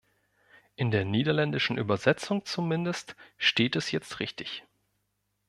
In der niederländischen Übersetzung zumindest steht es jetzt richtig.